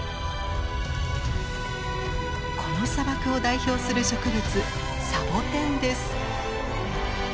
この砂漠を代表する植物サボテンです。